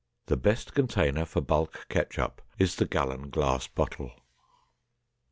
The best container for bulk ketchup is the gallon glass bottle.